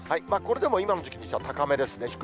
これでも今の時期にしたら高めですね。